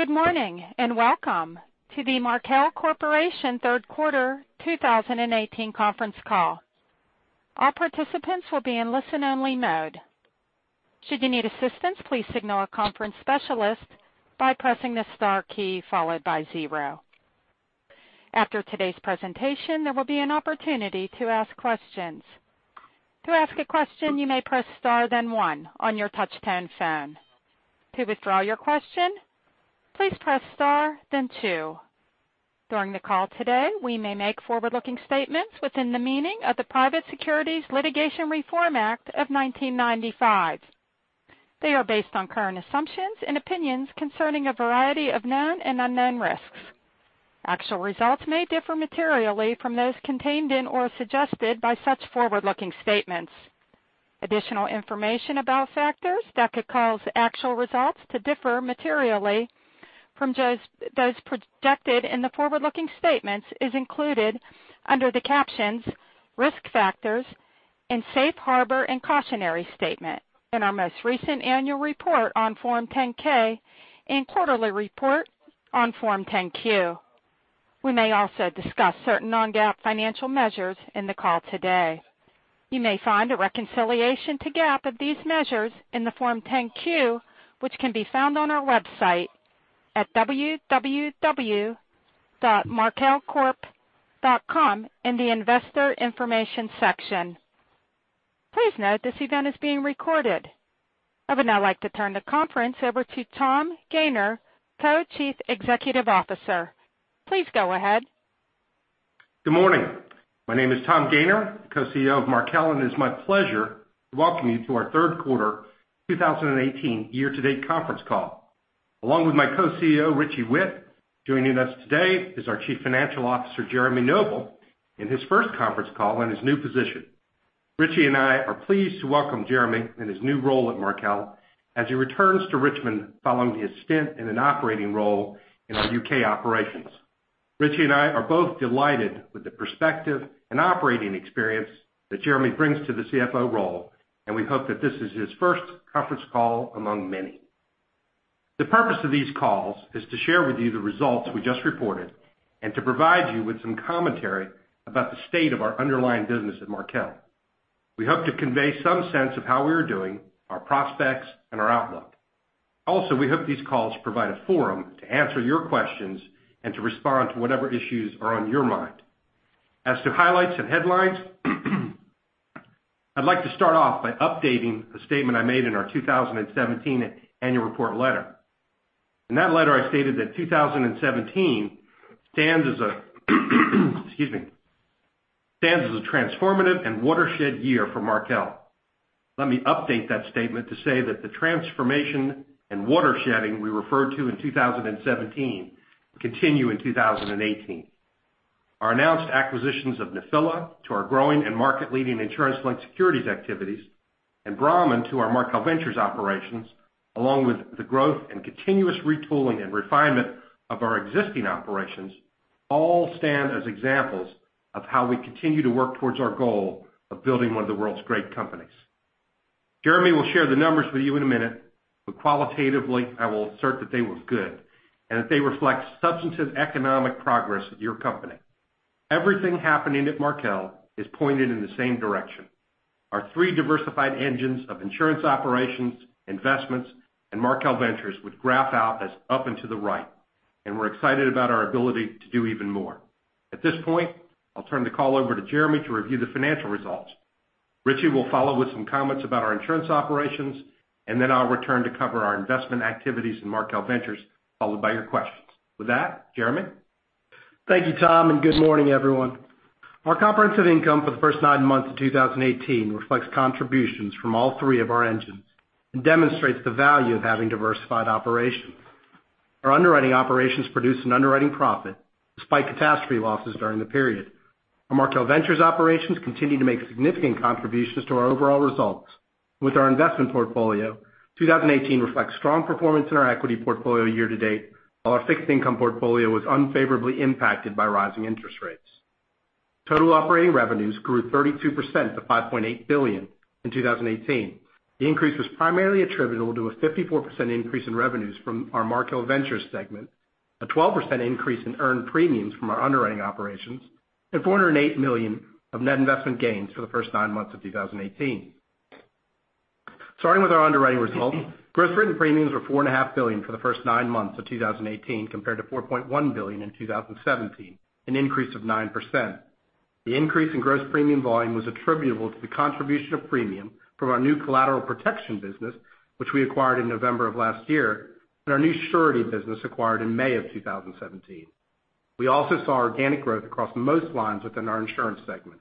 Good morning, welcome to the Markel Corporation third quarter 2018 conference call. All participants will be in listen-only mode. Should you need assistance, please signal a conference specialist by pressing the star key followed by zero. After today's presentation, there will be an opportunity to ask questions. To ask a question, you may press star then One on your touch-tone phone. To withdraw your question, please press star then Two. During the call today, we may make forward-looking statements within the meaning of the Private Securities Litigation Reform Act of 1995. They are based on current assumptions and opinions concerning a variety of known and unknown risks. Actual results may differ materially from those contained in or suggested by such forward-looking statements. Additional information about factors that could cause actual results to differ materially from those projected in the forward-looking statements is included under the captions "Risk Factors" and "Safe Harbor and Cautionary Statement" in our most recent annual report on Form 10-K and quarterly report on Form 10-Q. We may also discuss certain non-GAAP financial measures in the call today. You may find a reconciliation to GAAP of these measures in the Form 10-Q, which can be found on our website at www.markelcorp.com in the investor information section. Please note this event is being recorded. I would now like to turn the conference over to Tom Gayner, Co-Chief Executive Officer. Please go ahead. Good morning. My name is Tom Gayner, Co-CEO of Markel, it's my pleasure to welcome you to our third quarter 2018 year-to-date conference call. Along with my Co-CEO, Richie Whitt, joining us today is our Chief Financial Officer, Jeremy Noble, in his first conference call in his new position. Richie and I are pleased to welcome Jeremy in his new role at Markel as he returns to Richmond following his stint in an operating role in our U.K. operations. Richie and I are both delighted with the perspective and operating experience that Jeremy brings to the CFO role, we hope that this is his first conference call among many. The purpose of these calls is to share with you the results we just reported and to provide you with some commentary about the state of our underlying business at Markel. We hope to convey some sense of how we are doing, our prospects, and our outlook. Also, we hope these calls provide a forum to answer your questions and to respond to whatever issues are on your mind. As to highlights and headlines, I'd like to start off by updating a statement I made in our 2017 annual report letter. In that letter, I stated that 2017, excuse me, stands as a transformative and watershed year for Markel. Let me update that statement to say that the transformation and watershedding we referred to in 2017 continue in 2018. Our announced acquisitions of Nephila to our growing and market-leading insurance-linked securities activities and Brahmin to our Markel Ventures operations, along with the growth and continuous retooling and refinement of our existing operations, all stand as examples of how we continue to work towards our goal of building one of the world's great companies. Jeremy will share the numbers with you in a minute, but qualitatively, I will assert that they were good and that they reflect substantive economic progress at your company. Everything happening at Markel is pointed in the same direction. Our three diversified engines of insurance operations, investments, and Markel Ventures would graph out as up and to the right. We're excited about our ability to do even more. At this point, I'll turn the call over to Jeremy to review the financial results. Richie will follow with some comments about our insurance operations. Then I'll return to cover our investment activities in Markel Ventures, followed by your questions. With that, Jeremy? Thank you, Tom. Good morning, everyone. Our comprehensive income for the first nine months of 2018 reflects contributions from all three of our engines and demonstrates the value of having diversified operations. Our underwriting operations produced an underwriting profit despite catastrophe losses during the period. Our Markel Ventures operations continue to make significant contributions to our overall results. With our investment portfolio, 2018 reflects strong performance in our equity portfolio year to date, while our fixed income portfolio was unfavorably impacted by rising interest rates. Total operating revenues grew 32% to $5.8 billion in 2018. The increase was primarily attributable to a 54% increase in revenues from our Markel Ventures segment, a 12% increase in earned premiums from our underwriting operations, and $408 million of net investment gains for the first nine months of 2018. Starting with our underwriting results, gross written premiums were $4.5 billion for the first nine months of 2018 compared to $4.1 billion in 2017, an increase of 9%. The increase in gross premium volume was attributable to the contribution of premium from our new collateral protection business, which we acquired in November of last year, and our new Markel Surety acquired in May of 2017. We also saw organic growth across most lines within our insurance segment.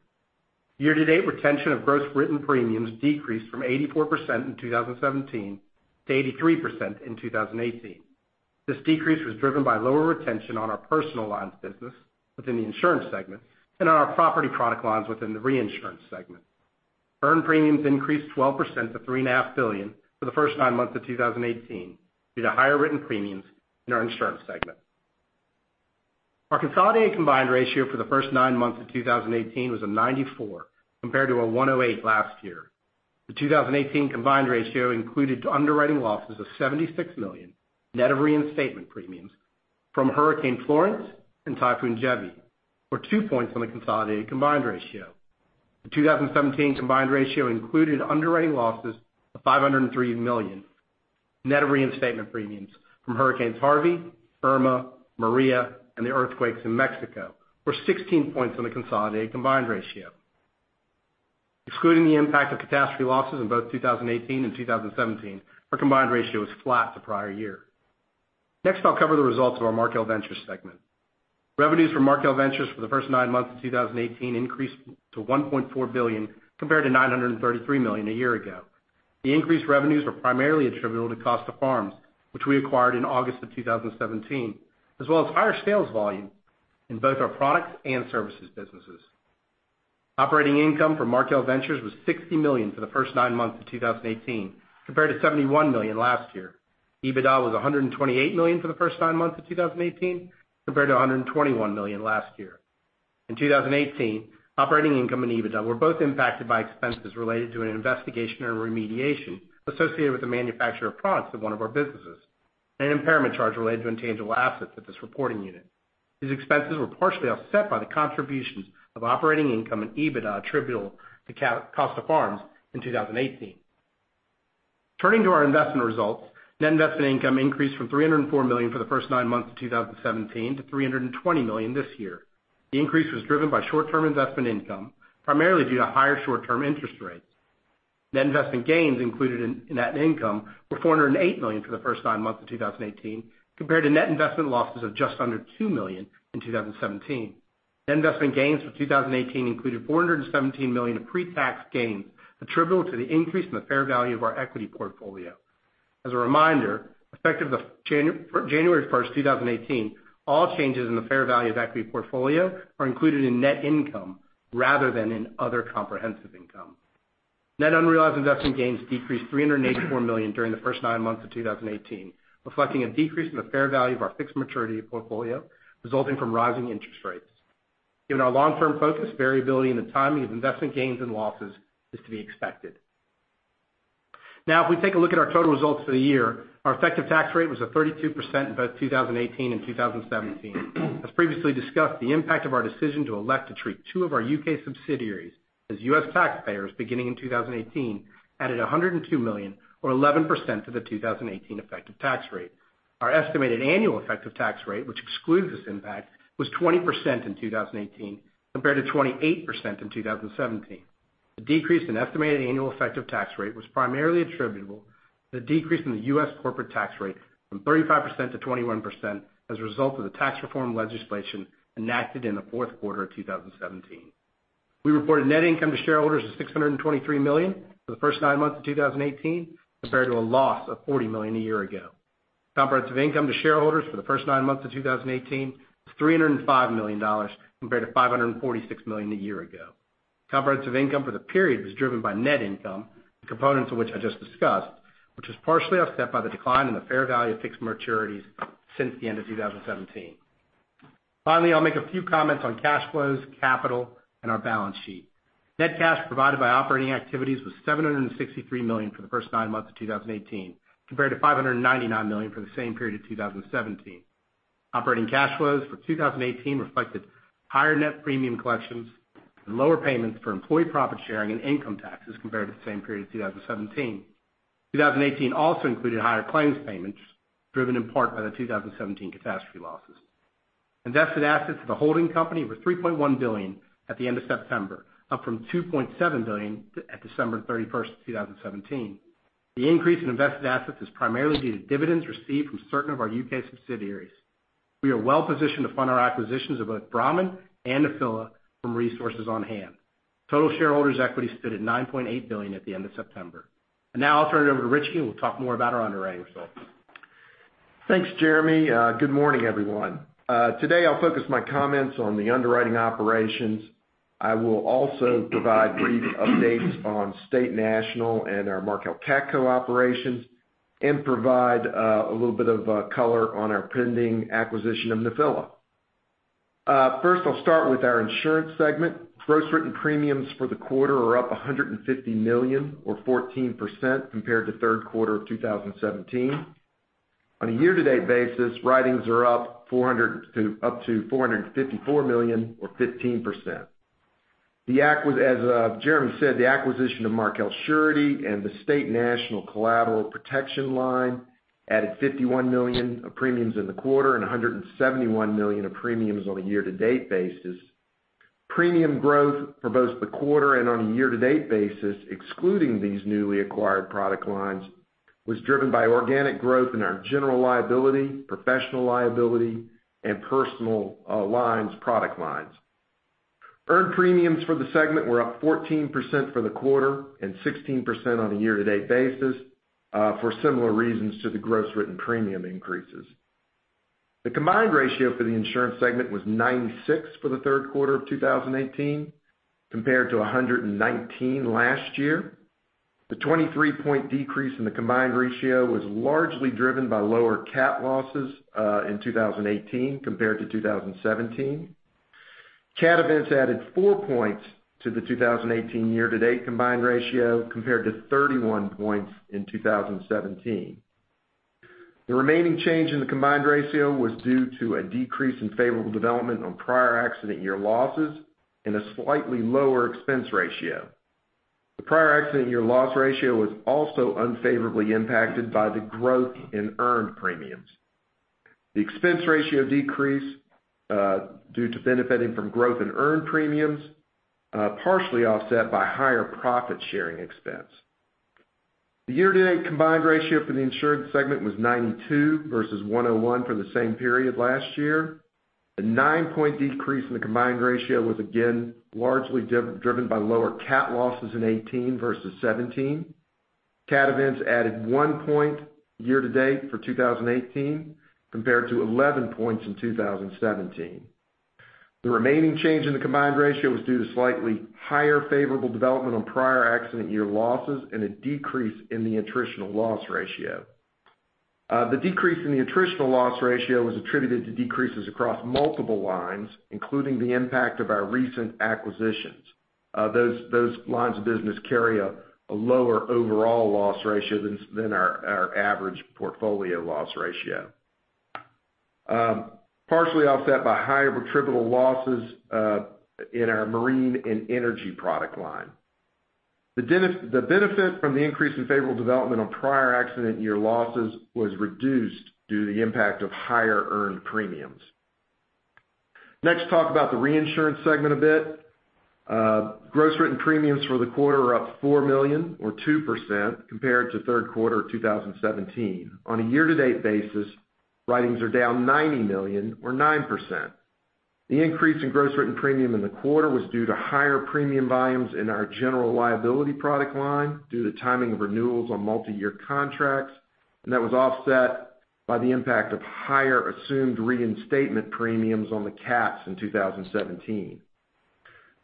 Year to date, retention of gross written premiums decreased from 84% in 2017 to 83% in 2018. This decrease was driven by lower retention on our personal lines business within the insurance segment and on our property product lines within the reinsurance segment. Earned premiums increased 12% to $3.5 billion for the first nine months of 2018 due to higher written premiums in our insurance segment. Our consolidated combined ratio for the first nine months of 2018 was 94 compared to 108 last year. The 2018 combined ratio included underwriting losses of $76 million, net of reinstatement premiums from Hurricane Florence and Typhoon Jebi, or two points on the consolidated combined ratio. The 2017 combined ratio included underwriting losses of $503 million, net of reinstatement premiums from hurricanes Harvey, Irma, Maria, and the earthquakes in Mexico were 16 points on the consolidated combined ratio. Excluding the impact of catastrophe losses in both 2018 and 2017, our combined ratio was flat the prior year. Next, I'll cover the results of our Markel Ventures segment. Revenues for Markel Ventures for the first nine months of 2018 increased to $1.4 billion, compared to $933 million a year ago. The increased revenues were primarily attributable to Costa Farms, which we acquired in August of 2017, as well as higher sales volume in both our products and services businesses. Operating income for Markel Ventures was $60 million for the first nine months of 2018 compared to $71 million last year. EBITDA was $128 million for the first nine months of 2018 compared to $121 million last year. In 2018, operating income and EBITDA were both impacted by expenses related to an investigation or remediation associated with the manufacture of products at one of our businesses, and an impairment charge related to intangible assets at this reporting unit. These expenses were partially offset by the contributions of operating income and EBITDA attributable to Costa Farms in 2018. Turning to our investment results. Net investment income increased from $304 million for the first nine months of 2017 to $320 million this year. The increase was driven by short-term investment income, primarily due to higher short-term interest rates. Net investment gains included in net income were $408 million for the first nine months of 2018 compared to net investment losses of just under $2 million in 2017. Net investment gains for 2018 included $417 million of pre-tax gains attributable to the increase in the fair value of our equity portfolio. As a reminder, effective of January 1st, 2018, all changes in the fair value of equity portfolio are included in net income rather than in other comprehensive income. Net unrealized investment gains decreased $384 million during the first nine months of 2018, reflecting a decrease in the fair value of our fixed maturity portfolio resulting from rising interest rates. Given our long-term focus, variability in the timing of investment gains and losses is to be expected. If we take a look at our total results for the year, our effective tax rate was 32% in both 2018 and 2017. As previously discussed, the impact of our decision to elect to treat two of our U.K. subsidiaries as U.S. taxpayers beginning in 2018 added $102 million or 11% to the 2018 effective tax rate. Our estimated annual effective tax rate, which excludes this impact, was 20% in 2018 compared to 28% in 2017. The decrease in estimated annual effective tax rate was primarily attributable to the decrease in the U.S. corporate tax rate from 35% to 21% as a result of the tax reform legislation enacted in the fourth quarter of 2017. We reported net income to shareholders of $623 million for the first nine months of 2018, compared to a loss of $40 million a year ago. Comprehensive income to shareholders for the first nine months of 2018 was $305 million compared to $546 million a year ago. Comprehensive income for the period was driven by net income, the components of which I just discussed, which was partially offset by the decline in the fair value of fixed maturities since the end of 2017. Finally, I'll make a few comments on cash flows, capital, and our balance sheet. Net cash provided by operating activities was $763 million for the first nine months of 2018 compared to $599 million for the same period in 2017. Operating cash flows for 2018 reflected higher net premium collections and lower payments for employee profit sharing and income taxes compared to the same period in 2017. 2018 also included higher claims payments, driven in part by the 2017 catastrophe losses. Invested assets of the holding company were $3.1 billion at the end of September, up from $2.7 billion at December 31st, 2017. The increase in invested assets is primarily due to dividends received from certain of our U.K. subsidiaries. We are well positioned to fund our acquisitions of both Brahmin and Nephila from resources on hand. Total shareholders' equity stood at $9.8 billion at the end of September. Now I'll turn it over to Richie, who will talk more about our underwriting results. Thanks, Jeremy. Good morning, everyone. Today, I'll focus my comments on the underwriting operations. I will also provide brief updates on State National and our Markel CATCo operations and provide a little bit of color on our pending acquisition of Nephila. First, I'll start with our insurance segment. Gross written premiums for the quarter are up $150 million or 14% compared to third quarter of 2017. On a year-to-date basis, writings are up to $454 million or 15%. As Jeremy said, the acquisition of Markel Surety and the State National collateral protection line added $51 million of premiums in the quarter and $171 million of premiums on a year-to-date basis. Premium growth for both the quarter and on a year-to-date basis, excluding these newly acquired product lines, was driven by organic growth in our general liability, professional liability, and personal lines product lines. Earned premiums for the segment were up 14% for the quarter and 16% on a year-to-date basis for similar reasons to the gross written premium increases. The combined ratio for the insurance segment was 96 for the third quarter of 2018 compared to 119 last year. The 23-point decrease in the combined ratio was largely driven by lower cat losses in 2018 compared to 2017. Cat events added four points to the 2018 year-to-date combined ratio compared to 31 points in 2017. The remaining change in the combined ratio was due to a decrease in favorable development on prior accident year losses and a slightly lower expense ratio. The prior accident year loss ratio was also unfavorably impacted by the growth in earned premiums. The expense ratio decreased due to benefiting from growth in earned premiums, partially offset by higher profit-sharing expense. The year-to-date combined ratio for the insurance segment was 92 versus 101 for the same period last year. The 9-point decrease in the combined ratio was again largely driven by lower cat losses in 2018 versus 2017. Cat events added 1 point year to date for 2018, compared to 11 points in 2017. The remaining change in the combined ratio was due to slightly higher favorable development on prior accident year losses and a decrease in the attritional loss ratio. The decrease in the attritional loss ratio was attributed to decreases across multiple lines, including the impact of our recent acquisitions. Those lines of business carry a lower overall loss ratio than our average portfolio loss ratio. Partially offset by higher attritional losses in our marine and energy product line. The benefit from the increase in favorable development on prior accident year losses was reduced due to the impact of higher earned premiums. Next, talk about the reinsurance segment a bit. Gross written premiums for the quarter are up $4 million or 2% compared to third quarter 2017. On a year-to-date basis, writings are down $90 million or 9%. The increase in gross written premium in the quarter was due to higher premium volumes in our general liability product line due to timing of renewals on multi-year contracts. That was offset by the impact of higher assumed reinstatement premiums on the cats in 2017.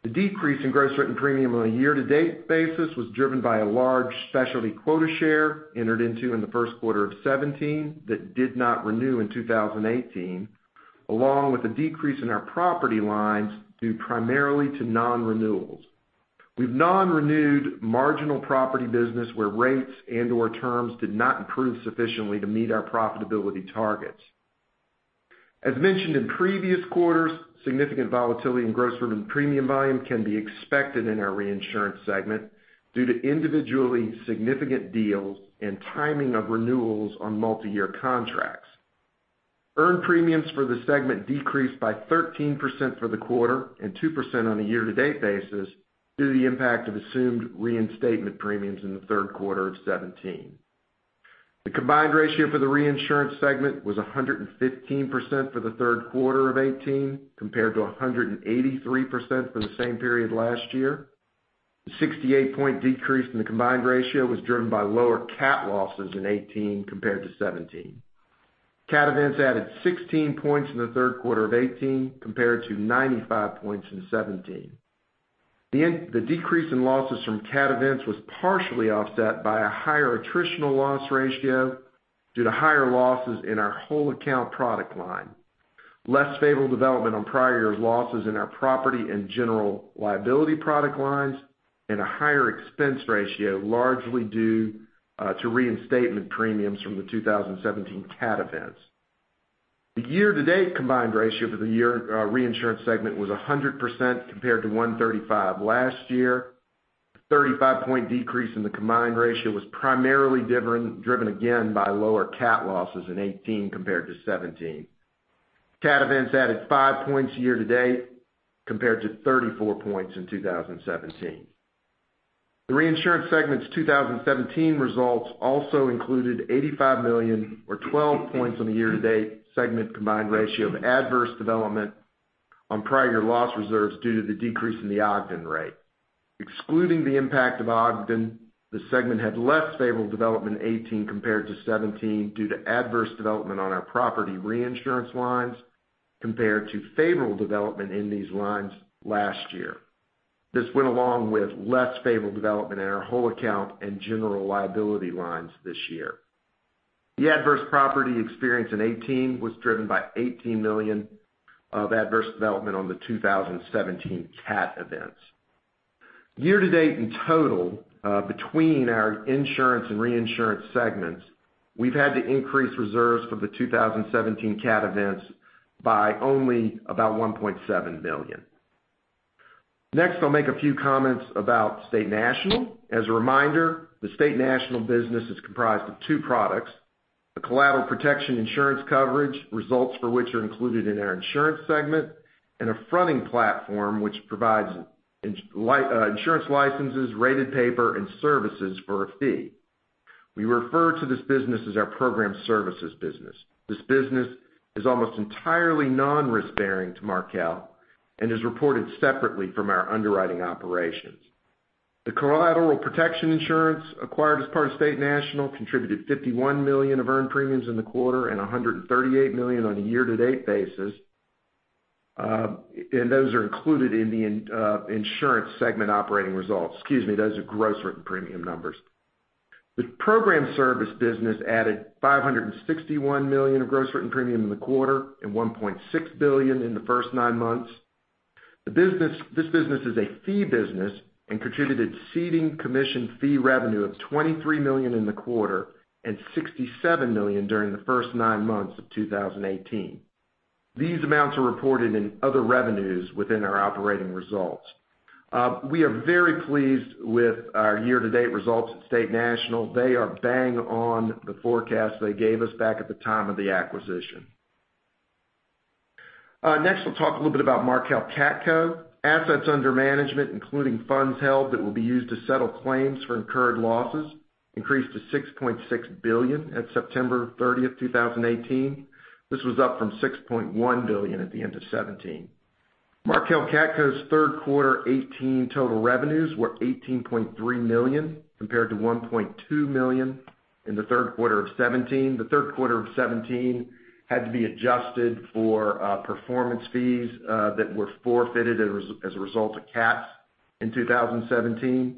The decrease in gross written premium on a year-to-date basis was driven by a large specialty quota share entered into in the first quarter of 2017 that did not renew in 2018, along with a decrease in our property lines due primarily to non-renewals. We've non-renewed marginal property business where rates and/or terms did not improve sufficiently to meet our profitability targets. As mentioned in previous quarters, significant volatility in gross written premium volume can be expected in our reinsurance segment due to individually significant deals and timing of renewals on multi-year contracts. Earned premiums for the segment decreased by 13% for the quarter and 2% on a year-to-date basis due to the impact of assumed reinstatement premiums in the third quarter of 2017. The combined ratio for the reinsurance segment was 115% for the third quarter of 2018, compared to 183% for the same period last year. The 68-point decrease in the combined ratio was driven by lower cat losses in 2018 compared to 2017. Cat events added 16 points in the third quarter of 2018 compared to 95 points in 2017. The decrease in losses from cat events was partially offset by a higher attritional loss ratio due to higher losses in our whole account product line, less favorable development on prior year's losses in our property and general liability product lines, and a higher expense ratio largely due to reinstatement premiums from the 2017 cat events. The year-to-date combined ratio for the reinsurance segment was 100% compared to 135% last year. The 35-point decrease in the combined ratio was primarily driven again by lower cat losses in 2018 compared to 2017. Cat events added 5 points year to date compared to 34 points in 2017. The reinsurance segment's 2017 results also included $85 million or 12 points on the year-to-date segment combined ratio of adverse development on prior year loss reserves due to the decrease in the Ogden rate. Excluding the impact of Ogden, the segment had less favorable development in 2018 compared to 2017 due to adverse development on our property reinsurance lines compared to favorable development in these lines last year. This went along with less favorable development in our whole account and general liability lines this year. The adverse property experience in 2018 was driven by $18 million of adverse development on the 2017 cat events. Year to date in total, between our insurance and reinsurance segments, we've had to increase reserves for the 2017 cat events by only about $1.7 million. Next, I'll make a few comments about State National. As a reminder, the State National business is comprised of two products. The collateral protection insurance coverage, results for which are included in our insurance segment, and a fronting platform, which provides insurance licenses, rated paper, and services for a fee. We refer to this business as our program services business. This business is almost entirely non-risk-bearing to Markel and is reported separately from our underwriting operations. The collateral protection insurance acquired as part of State National contributed $51 million of earned premiums in the quarter and $138 million on a year-to-date basis. Those are included in the insurance segment operating results. Excuse me, those are gross written premium numbers. The program service business added $561 million of gross written premium in the quarter, and $1.6 billion in the first nine months. This business is a fee business and contributed ceding commission fee revenue of $23 million in the quarter and $67 million during the first nine months of 2018. These amounts are reported in other revenues within our operating results. We are very pleased with our year-to-date results at State National. They are bang on the forecast they gave us back at the time of the acquisition. Next, I'll talk a little bit about Markel CATCo. Assets under management, including funds held that will be used to settle claims for incurred losses, increased to $6.6 billion at September 30th, 2018. This was up from $6.1 billion at the end of 2017. Markel CATCo's third quarter 2018 total revenues were $18.3 million compared to $1.2 million in the third quarter of 2017. The third quarter of 2017 had to be adjusted for performance fees that were forfeited as a result of cats in 2017.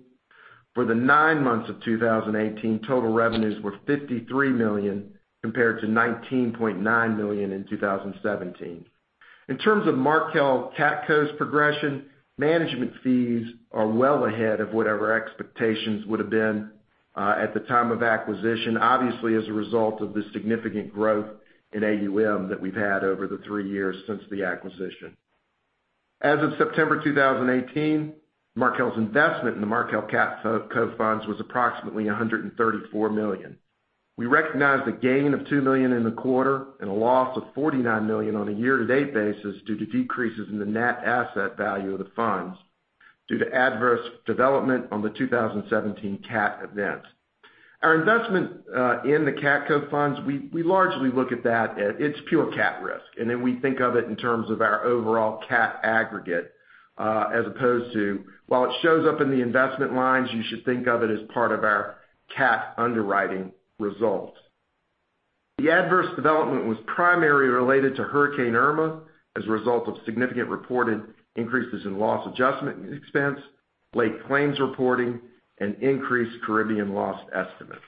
For the nine months of 2018, total revenues were $53 million compared to $19.9 million in 2017. In terms of Markel CATCo's progression, management fees are well ahead of whatever expectations would have been at the time of acquisition, obviously as a result of the significant growth in AUM that we've had over the three years since the acquisition. As of September 2018, Markel's investment in the Markel CATCo funds was approximately $134 million. We recognized a gain of $2 million in the quarter and a loss of $49 million on a year-to-date basis due to decreases in the net asset value of the funds due to adverse development on the 2017 cat events. Our investment in the CATCo funds, we largely look at that as it's pure cat risk, and then we think of it in terms of our overall cat aggregate as opposed to while it shows up in the investment lines, you should think of it as part of our cat underwriting results. The adverse development was primarily related to Hurricane Irma as a result of significant reported increases in loss adjustment expense, late claims reporting, and increased Caribbean loss estimates.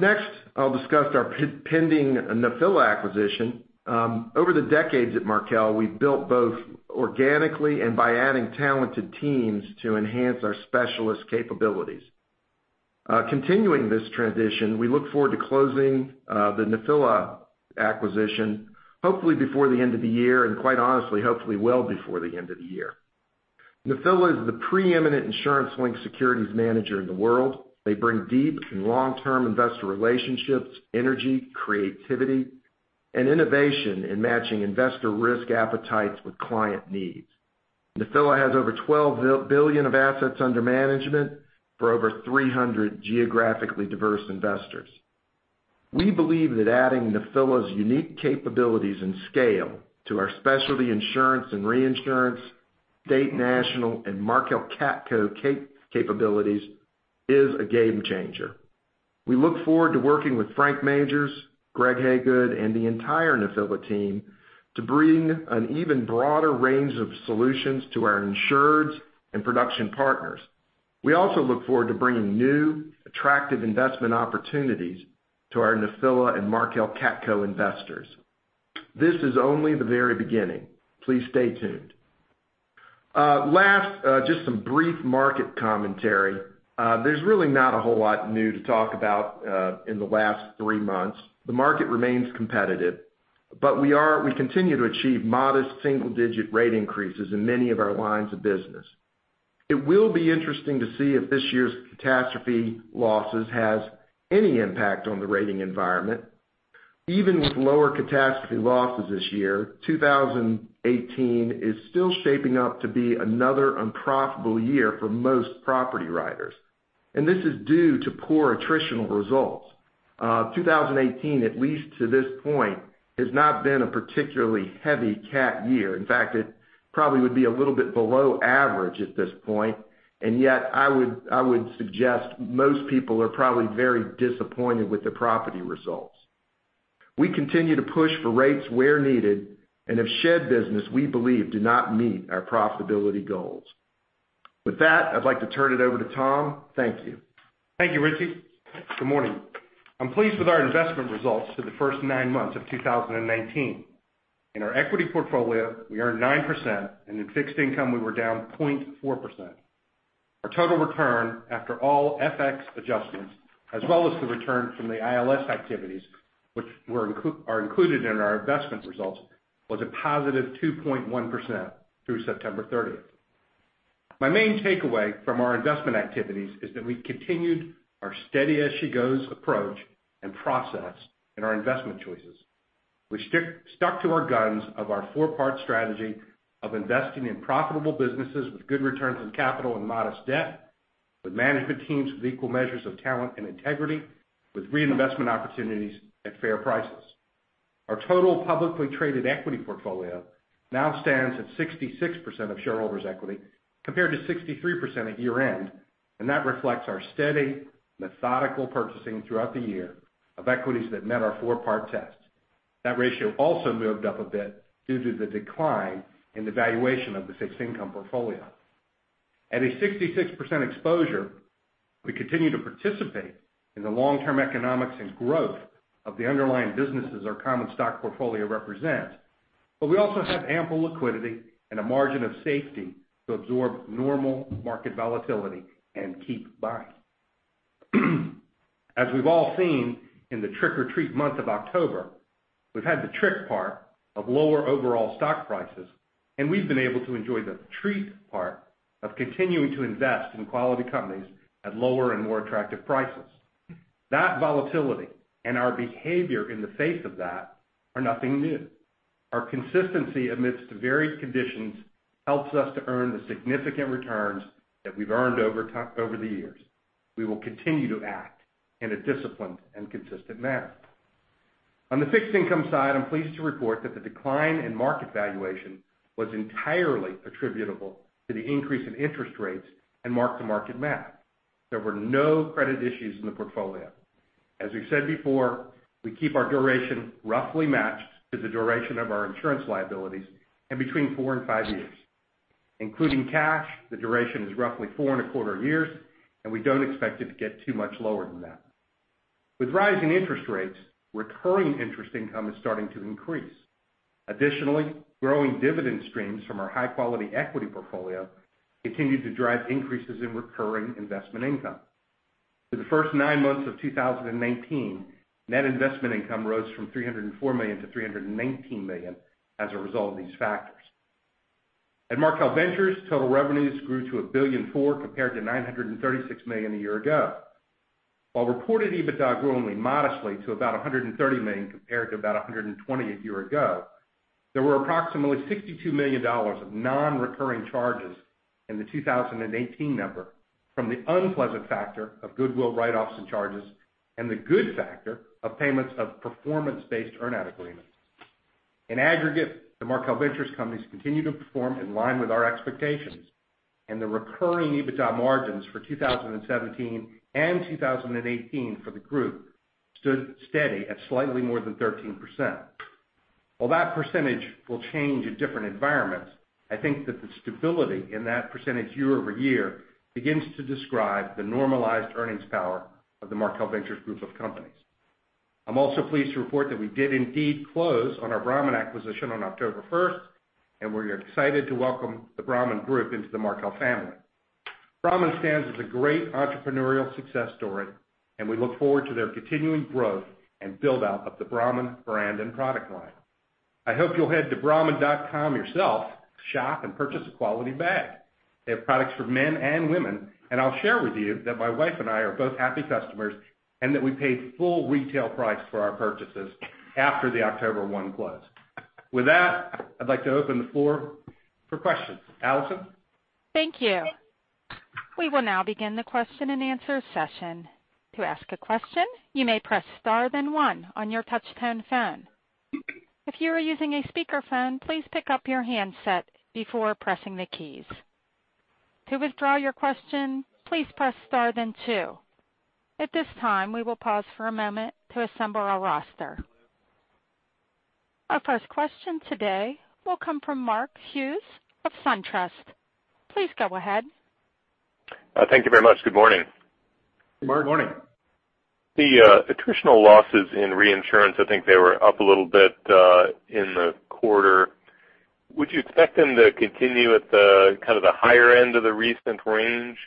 Next, I'll discuss our pending Nephila acquisition. Over the decades at Markel, we've built both organically and by adding talented teams to enhance our specialist capabilities. Continuing this tradition, we look forward to closing the Nephila acquisition hopefully before the end of the year, and quite honestly, hopefully well before the end of the year. Nephila is the preeminent insurance-linked securities manager in the world. They bring deep and long-term investor relationships, energy, creativity, and innovation in matching investor risk appetites with client needs. Nephila has over $12 billion of assets under management for over 300 geographically diverse investors. We believe that adding Nephila's unique capabilities and scale to our specialty insurance and reinsurance, State National, and Markel CATCo capabilities is a game changer. We look forward to working with Frank Majors, Greg Hagood, and the entire Nephila team to bring an even broader range of solutions to our insureds and production partners. We also look forward to bringing new, attractive investment opportunities to our Nephila and Markel CATCo investors. This is only the very beginning. Please stay tuned. Last, just some brief market commentary. There's really not a whole lot new to talk about in the last three months. The market remains competitive, but we continue to achieve modest single-digit rate increases in many of our lines of business. It will be interesting to see if this year's catastrophe losses has any impact on the rating environment. Even with lower catastrophe losses this year, 2018 is still shaping up to be another unprofitable year for most property writers. This is due to poor attritional results. 2018, at least to this point, has not been a particularly heavy cat year. In fact, it probably would be a little bit below average at this point, and yet I would suggest most people are probably very disappointed with the property results. We continue to push for rates where needed and have shed business we believe do not meet our profitability goals. With that, I'd like to turn it over to Tom. Thank you, Richie. Good morning. I'm pleased with our investment results for the first nine months of 2018. In our equity portfolio, we earned 9%, and in fixed income, we were down 0.4%. Our total return after all FX adjustments, as well as the return from the ILS activities, which are included in our investment results, was a positive 2.1% through September 30th. My main takeaway from our investment activities is that we continued our steady as she goes approach and process in our investment choices. We stuck to our guns of our four-part strategy of investing in profitable businesses with good returns on capital and modest debt, with management teams with equal measures of talent and integrity, with reinvestment opportunities at fair prices. Our total publicly traded equity portfolio now stands at 66% of shareholders' equity compared to 63% at year-end. That reflects our steady, methodical purchasing throughout the year of equities that met our four-part test. That ratio also moved up a bit due to the decline in the valuation of the fixed income portfolio. At a 66% exposure, we continue to participate in the long-term economics and growth of the underlying businesses our common stock portfolio represents. We also have ample liquidity and a margin of safety to absorb normal market volatility and keep buying. As we've all seen in the trick or treat month of October, we've had the trick part of lower overall stock prices, and we've been able to enjoy the treat part of continuing to invest in quality companies at lower and more attractive prices. That volatility and our behavior in the face of that are nothing new. Our consistency amidst varied conditions helps us to earn the significant returns that we've earned over the years. We will continue to act in a disciplined and consistent manner. On the fixed income side, I'm pleased to report that the decline in market valuation was entirely attributable to the increase in interest rates and mark-to-market math. There were no credit issues in the portfolio. As we said before, we keep our duration roughly matched to the duration of our insurance liabilities in between four and five years. Including cash, the duration is roughly four and a quarter years, and we don't expect it to get too much lower than that. With rising interest rates, recurring interest income is starting to increase. Additionally, growing dividend streams from our high-quality equity portfolio continued to drive increases in recurring investment income. For the first nine months of 2018, net investment income rose from $304 million to $319 million as a result of these factors. At Markel Ventures, total revenues grew to $1.4 billion compared to $936 million a year ago. While reported EBITDA grew only modestly to about $130 million compared to about $120 million a year ago, there were approximately $62 million of non-recurring charges in the 2018 number from the unpleasant factor of goodwill write-offs and charges, and the good factor of payments of performance-based earn-out agreements. In aggregate, the Markel Ventures companies continue to perform in line with our expectations, and the recurring EBITDA margins for 2017 and 2018 for the group stood steady at slightly more than 13%. While that percentage will change in different environments, I think that the stability in that percentage year-over-year begins to describe the normalized earnings power of the Markel Ventures group of companies. I'm also pleased to report that we did indeed close on our Brahmin acquisition on October 1st, and we're excited to welcome the Brahmin group into the Markel family. Brahmin stands as a great entrepreneurial success story, and we look forward to their continuing growth and build-out of the Brahmin brand and product line. I hope you'll head to brahmin.com yourself, shop, and purchase a quality bag. They have products for men and women, and I'll share with you that my wife and I are both happy customers, and that we paid full retail price for our purchases after the October 1 close. With that, I'd like to open the floor for questions. Allison? Thank you. We will now begin the question and answer session. To ask a question, you may press star then one on your touchtone phone. If you are using a speakerphone, please pick up your handset before pressing the keys. To withdraw your question, please press star then two. At this time, we will pause for a moment to assemble our roster. Our first question today will come from Mark Hughes of SunTrust. Please go ahead. Thank you very much. Good morning. Good morning. The attritional losses in reinsurance, I think they were up a little bit in the quarter. Would you expect them to continue at the higher end of the recent range?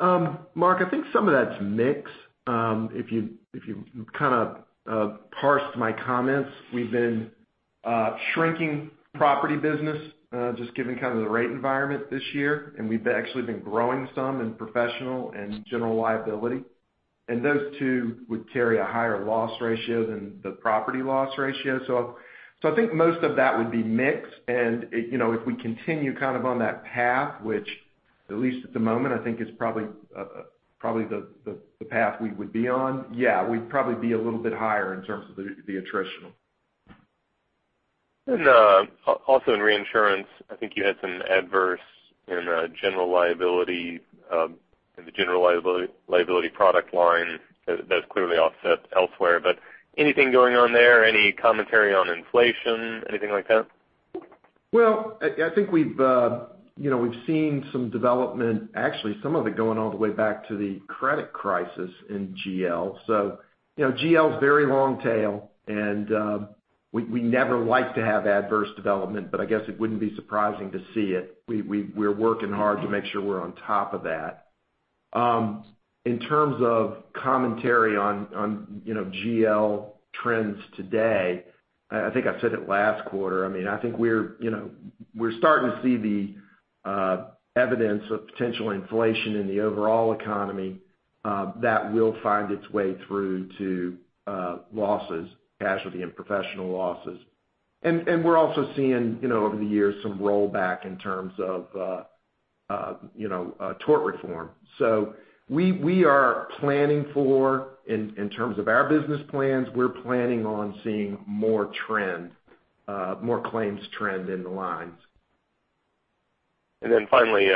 Mark, I think some of that's mix. If you kind of parsed my comments, we've been shrinking property business, just given the rate environment this year, and we've actually been growing some in professional and general liability. Those two would carry a higher loss ratio than the property loss ratio. I think most of that would be mix. If we continue on that path, which at least at the moment, I think is probably the path we would be on, yeah, we'd probably be a little bit higher in terms of the attritional. Also in reinsurance, I think you had some adverse in the general liability product line that's clearly offset elsewhere, but anything going on there? Any commentary on inflation? Anything like that? Well, I think we've seen some development, actually, some of it going all the way back to the credit crisis in GL. GL is very long tail, and we never like to have adverse development, but I guess it wouldn't be surprising to see it. We're working hard to make sure we're on top of that. In terms of commentary on GL trends today, I think I said it last quarter, I think we're starting to see the evidence of potential inflation in the overall economy that will find its way through to losses, casualty and professional losses. We're also seeing, over the years, some rollback in terms of tort reform. We are planning for, in terms of our business plans, we're planning on seeing more trend. More claims trend in the lines. Finally,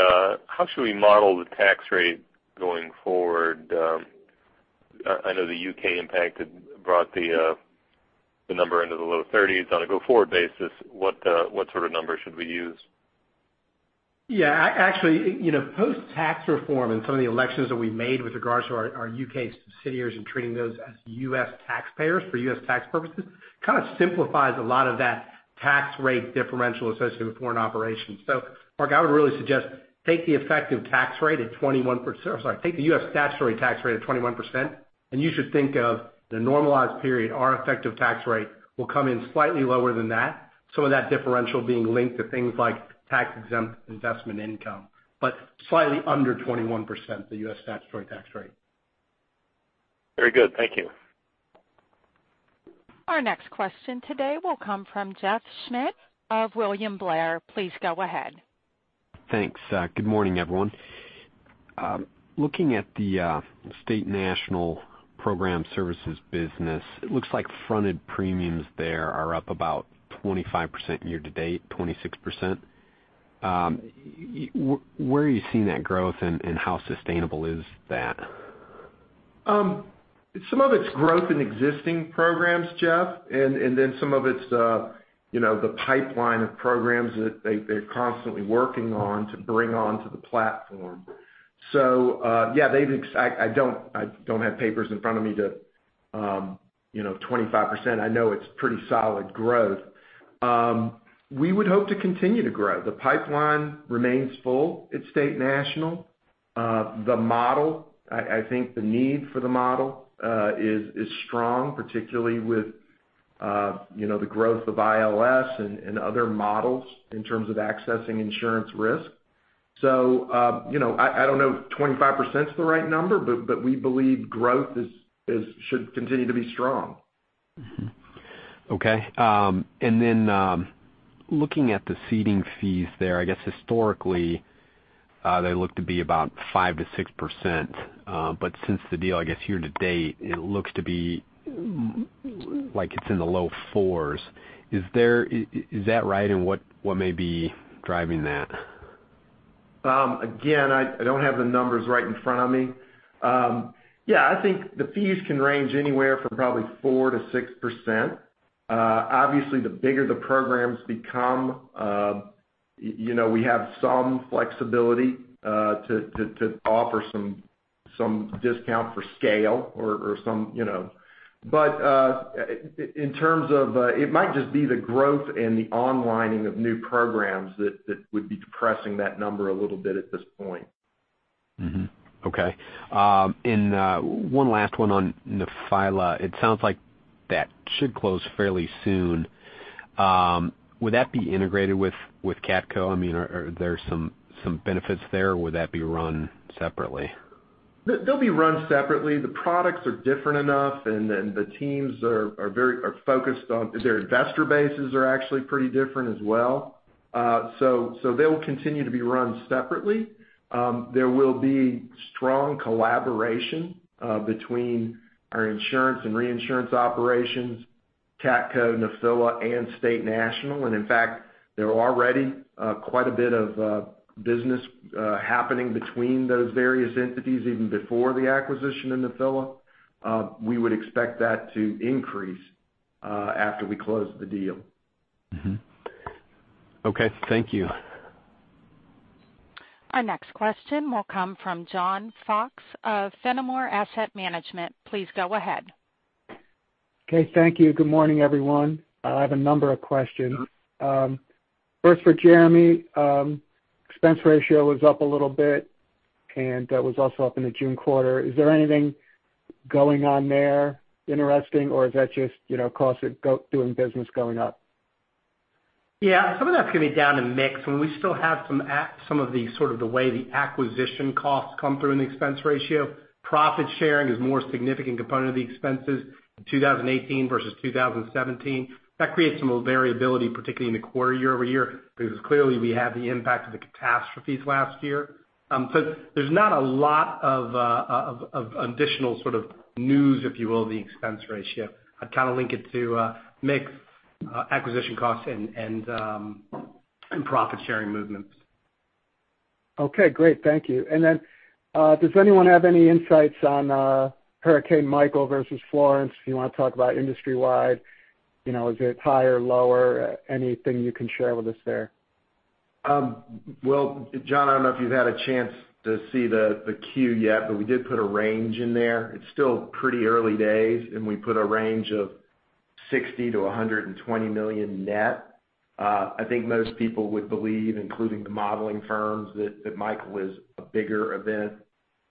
how should we model the tax rate going forward? I know the U.K. impact had brought the number into the low 30s. On a go-forward basis, what sort of numbers should we use? Yeah. Actually, post-tax reform and some of the elections that we've made with regards to our U.K. subsidiaries and treating those as U.S. taxpayers for U.S. tax purposes kind of simplifies a lot of that tax rate differential associated with foreign operations. Mark, I would really suggest take the U.S. statutory tax rate at 21%, you should think of the normalized period, our effective tax rate will come in slightly lower than that. Some of that differential being linked to things like tax-exempt investment income. Slightly under 21%, the U.S. statutory tax rate. Very good. Thank you. Our next question today will come from Jeff Schmitt of William Blair. Please go ahead. Thanks. Good morning, everyone. Looking at the State National Program Services business, it looks like fronted premiums there are up about 25% year to date, 26%. Where are you seeing that growth, and how sustainable is that? Some of it's growth in existing programs, Jeff, some of it's the pipeline of programs that they're constantly working on to bring onto the platform. Yeah. I don't have papers in front of me to, 25%. I know it's pretty solid growth. We would hope to continue to grow. The pipeline remains full at State National. The model, I think the need for the model, is strong, particularly with the growth of ILS and other models in terms of accessing insurance risk. I don't know if 25% is the right number, but we believe growth should continue to be strong. Mm-hmm. Okay. Looking at the ceding fees there, I guess historically, they look to be about 5%-6%. Since the deal, I guess year to date, it looks to be like it's in the low fours. Is that right, and what may be driving that? Again, I don't have the numbers right in front of me. Yeah, I think the fees can range anywhere from probably 4%-6%. Obviously, the bigger the programs become, we have some flexibility to offer some discount for scale. It might just be the growth and the onlining of new programs that would be depressing that number a little bit at this point. Okay. One last one on Nephila. It sounds like that should close fairly soon. Would that be integrated with CATCo? I mean, are there some benefits there, or would that be run separately? They'll be run separately. The products are different enough, their investor bases are actually pretty different as well. They'll continue to be run separately. There will be strong collaboration between our insurance and reinsurance operations, CATCo, Nephila, and State National. In fact, there are already quite a bit of business happening between those various entities, even before the acquisition of Nephila. We would expect that to increase after we close the deal. Okay. Thank you. Our next question will come from John Fox of Fenimore Asset Management. Please go ahead. Okay. Thank you. Good morning, everyone. I have a number of questions. First for Jeremy. Expense ratio was up a little bit and that was also up in the June quarter. Is there anything going on there interesting, or is that just costs of doing business going up? Yeah. Some of that's going to be down to mix, we still have some of the sort of the way the acquisition costs come through in the expense ratio. Profit sharing is a more significant component of the expenses in 2018 versus 2017. That creates some variability, particularly in the quarter year-over-year, because clearly we have the impact of the catastrophes last year. There's not a lot of additional sort of news, if you will, in the expense ratio. I'd kind of link it to mix, acquisition costs, and profit-sharing movements. Okay, great. Thank you. Then, does anyone have any insights on Hurricane Michael versus Florence? You want to talk about industry-wide? Is it higher, lower? Anything you can share with us there? Well, John, I don't know if you've had a chance to see the Q yet, we did put a range in there. It's still pretty early days, we put a range of $60 million-$120 million net. I think most people would believe, including the modeling firms, that Michael is a bigger event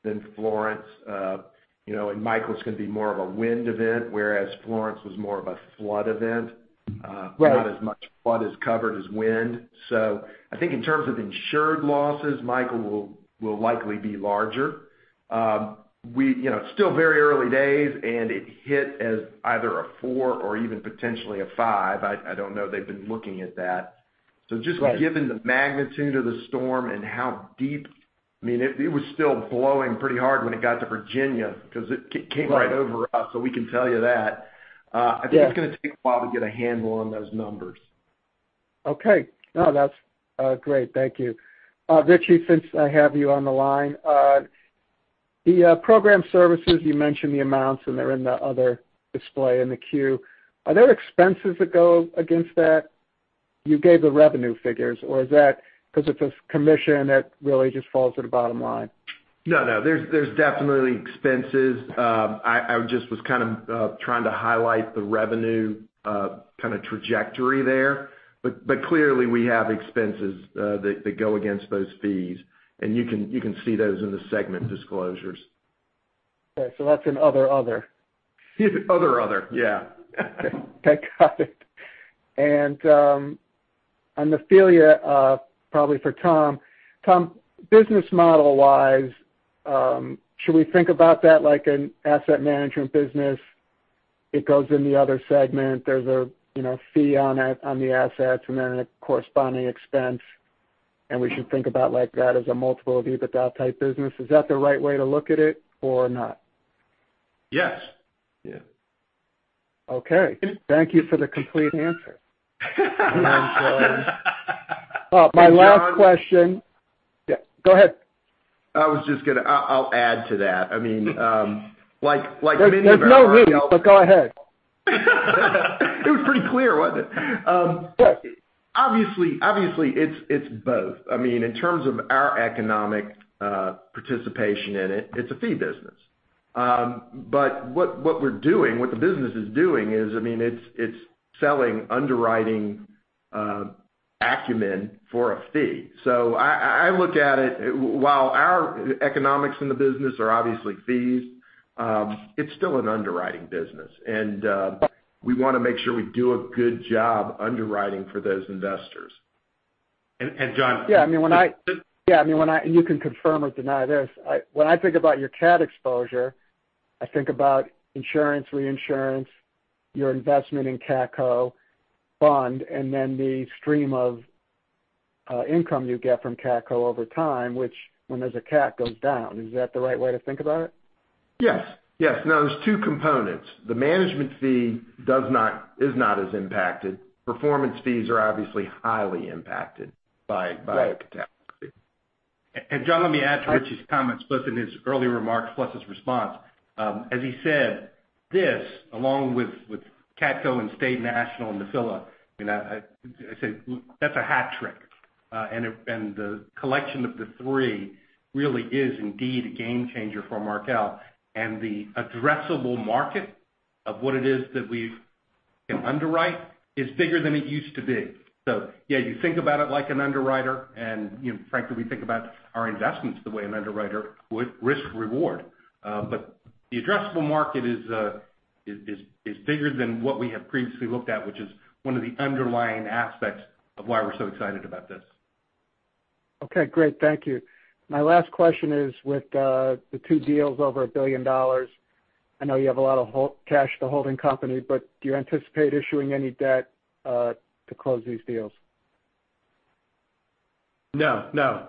than Florence. Michael's going to be more of a wind event, whereas Florence was more of a flood event. Right. Not as much flood is covered as wind. I think in terms of insured losses, Hurricane Michael will likely be larger. It's still very early days, and it hit as either a four or even potentially a five. I don't know. They've been looking at that. Just given the magnitude of the storm and how deep It was still blowing pretty hard when it got to Virginia because it came right over us, we can tell you that. Yeah. I think it's going to take a while to get a handle on those numbers. Okay. No, that's great. Thank you. Richie, since I have you on the line, the program services, you mentioned the amounts, and they're in the other display in the Form 10-Q. Are there expenses that go against that? You gave the revenue figures, is that because it's a commission that really just falls to the bottom line? There's definitely expenses. I just was kind of trying to highlight the revenue kind of trajectory there. Clearly, we have expenses that go against those fees. You can see those in the segment disclosures. Okay, that's in Other. Other, yeah. Okay, got it. Nephila, probably for Tom. Tom, business model-wise, should we think about that like an asset management business? It goes in the Other segment, there's a fee on the assets and then a corresponding expense, and we should think about like that as a multiple of EBITDA type business. Is that the right way to look at it or not? Yes. Yes. Okay. Thank you for the complete answer. Yeah, go ahead. I was just going to add to that. There's no me, go ahead. It was pretty clear, wasn't it? Yes. Obviously, it's both. In terms of our economic participation in it's a fee business. What the business is doing is it's selling underwriting acumen for a fee. I look at it, while our economics in the business are obviously fees, it's still an underwriting business. We want to make sure we do a good job underwriting for those investors. John- Yeah, you can confirm or deny this. When I think about your cat exposure, I think about insurance, reinsurance, your investment in CATCo fund, then the stream of income you get from CATCo over time, which when there's a cat, goes down. Is that the right way to think about it? Yes. There's two components. The management fee is not as impacted. Performance fees are obviously highly impacted by a catastrophe. John, let me add to Richie's comments, both in his earlier remarks plus his response. As he said, this, along with CATCo and State National and Nephila, that's a hat trick. The collection of the three really is indeed a game changer for Markel. The addressable market of what it is that we can underwrite is bigger than it used to be. Yeah, you think about it like an underwriter, and frankly, we think about our investments the way an underwriter would, risk reward. The addressable market is bigger than what we have previously looked at, which is one of the underlying aspects of why we're so excited about this. Okay, great. Thank you. My last question is, with the 2 deals over $1 billion, I know you have a lot of cash at the holding company, do you anticipate issuing any debt to close these deals? No.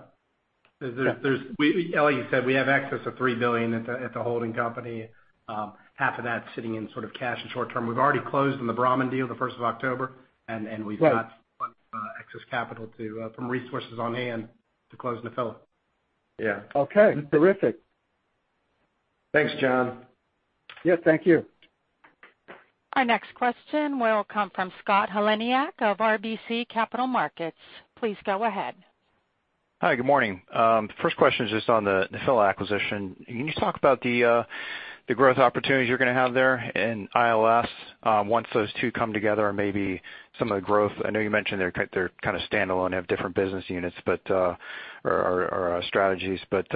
As Jeremy said, we have access to $3 billion at the holding company. Half of that sitting in sort of cash and short-term. We've already closed on the Brahmin deal the 1st of October, we've got excess capital from resources on hand to close Nephila. Yeah. Okay. Terrific. Thanks, John. Yeah, thank you. Our next question will come from Scott Heleniak of RBC Capital Markets. Please go ahead. Hi, good morning. First question is just on the Nephila acquisition. Can you just talk about the growth opportunities you're going to have there in ILS once those two come together and maybe some of the growth? I know you mentioned they're kind of standalone, have different business units or strategies, but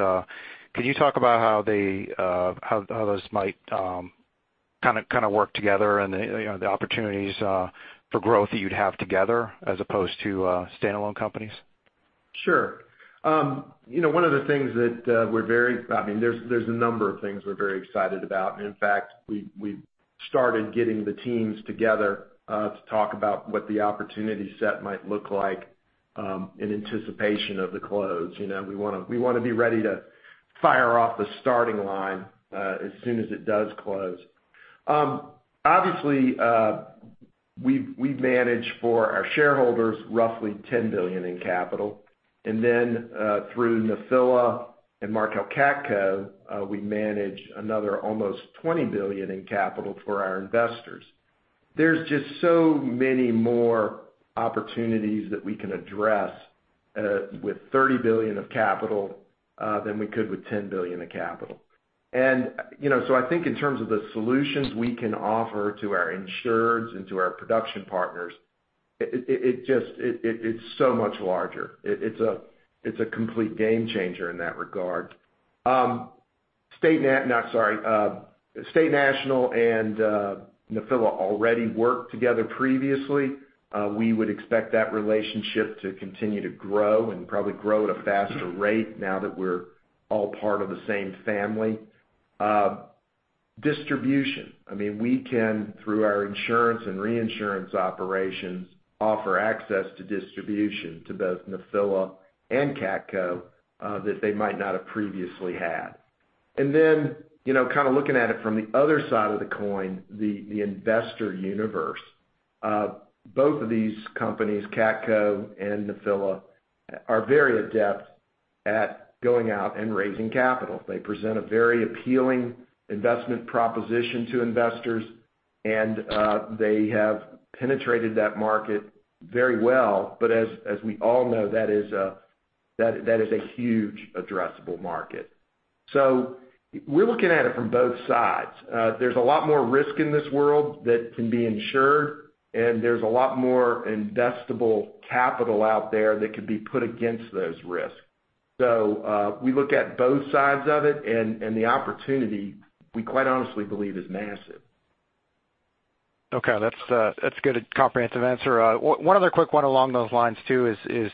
could you talk about how those might kind of work together and the opportunities for growth that you'd have together as opposed to standalone companies? Sure. There's a number of things we're very excited about. In fact, we've started getting the teams together to talk about what the opportunity set might look like in anticipation of the close. We want to be ready to fire off the starting line as soon as it does close. Obviously, we've managed for our shareholders roughly $10 billion in capital. Then through Nephila and Markel CATCo, we manage another almost $20 billion in capital for our investors. There's just so many more opportunities that we can address with $30 billion of capital than we could with $10 billion of capital. I think in terms of the solutions we can offer to our insureds and to our production partners, it's so much larger. It's a complete game changer in that regard. State National and Nephila already worked together previously. We would expect that relationship to continue to grow and probably grow at a faster rate now that we're all part of the same family. Distribution. We can, through our insurance and reinsurance operations, offer access to distribution to both Nephila and CATCo that they might not have previously had. Looking at it from the other side of the coin, the investor universe, both of these companies, CATCo and Nephila, are very adept at going out and raising capital. They present a very appealing investment proposition to investors, and they have penetrated that market very well. As we all know, that is a huge addressable market. We're looking at it from both sides. There's a lot more risk in this world that can be insured, and there's a lot more investable capital out there that could be put against those risks. We look at both sides of it and the opportunity, we quite honestly believe, is massive. Okay, that's a good comprehensive answer. One other quick one along those lines too is,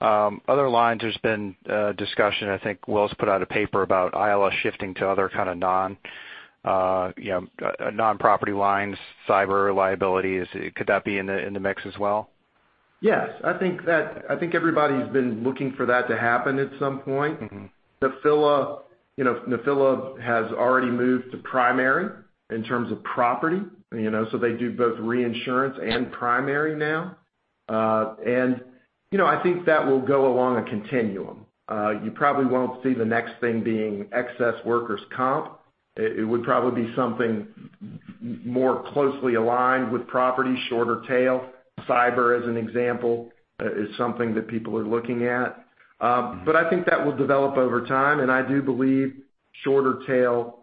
other lines there's been discussion, I think Willis put out a paper about ILS shifting to other kind of non-property lines, cyber liabilities. Could that be in the mix as well? Yes. I think everybody's been looking for that to happen at some point. Nephila has already moved to primary in terms of property, so they do both reinsurance and primary now. I think that will go along a continuum. You probably won't see the next thing being excess workers' comp. It would probably be something more closely aligned with property, shorter tail. Cyber, as an example, is something that people are looking at. I think that will develop over time, and I do believe shorter tail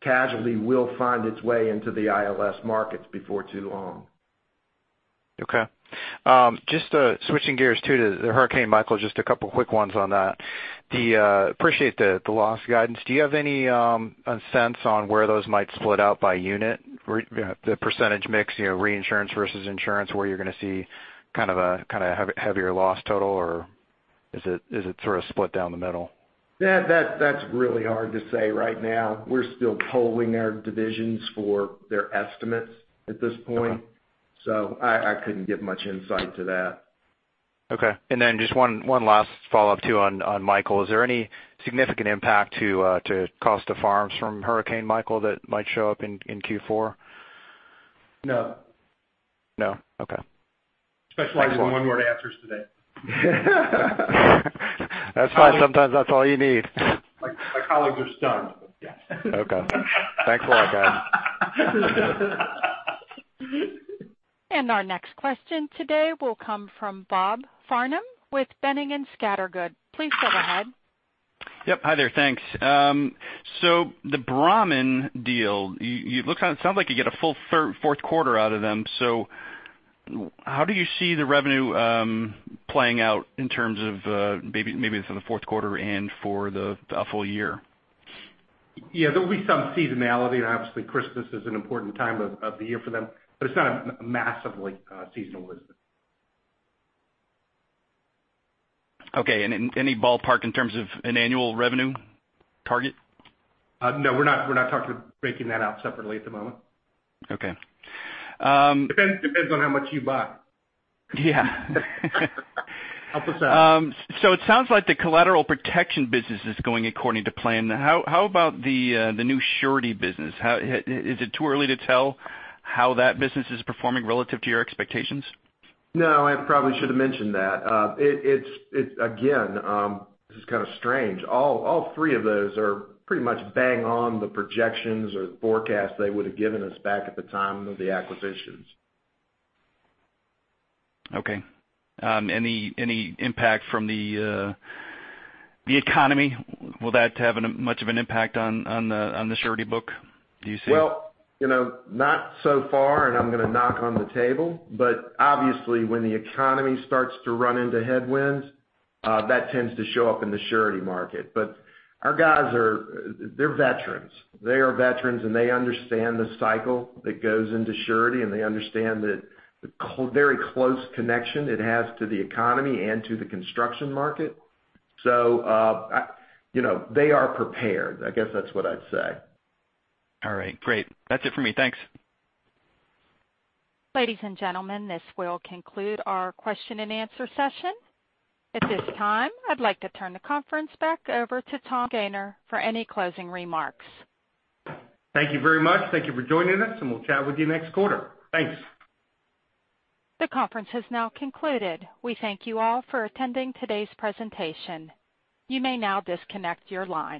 casualty will find its way into the ILS markets before too long. Okay. Just switching gears too to Hurricane Michael, just a couple quick ones on that. Appreciate the loss guidance. Do you have any sense on where those might split out by unit? The % mix, reinsurance versus insurance, where you're going to see kind of a heavier loss total, or is it sort of split down the middle? That's really hard to say right now. We're still polling our divisions for their estimates at this point. Okay. I couldn't give much insight to that. Okay. Just one last follow-up too on Michael. Is there any significant impact to Costa Farms from Hurricane Michael that might show up in Q4? No. No? Okay. Specializing in one-word answers today. That's fine. Sometimes that's all you need. My colleagues are stunned, yes. Okay. Thanks a lot, guys. Our next question today will come from Bob Farnam with Boenning & Scattergood. Please go ahead. Yep. Hi there. Thanks. The Brahmin deal, it sounds like you get a full fourth quarter out of them. How do you see the revenue playing out in terms of maybe for the fourth quarter and for the full year? Yeah, there will be some seasonality. Obviously, Christmas is an important time of the year for them, but it's not massively seasonal business. Okay. Any ballpark in terms of an annual revenue target? No, we're not talking breaking that out separately at the moment. Okay. Depends on how much you buy. Yeah. Help us out. It sounds like the collateral protection business is going according to plan. How about the new surety business? Is it too early to tell how that business is performing relative to your expectations? No, I probably should have mentioned that. Again, this is kind of strange. All three of those are pretty much bang on the projections or the forecast they would've given us back at the time of the acquisitions. Okay. Any impact from the economy? Will that have much of an impact on the surety book, do you see? Not so far, and I'm going to knock on the table. Obviously when the economy starts to run into headwinds, that tends to show up in the surety market. Our guys, they're veterans. They are veterans, and they understand the cycle that goes into surety, and they understand the very close connection it has to the economy and to the construction market. They are prepared. I guess that's what I'd say. All right. Great. That's it for me. Thanks. Ladies and gentlemen, this will conclude our question and answer session. At this time, I'd like to turn the conference back over to Tom Gayner for any closing remarks. Thank you very much. Thank you for joining us, and we'll chat with you next quarter. Thanks. The conference has now concluded. We thank you all for attending today's presentation. You may now disconnect your line.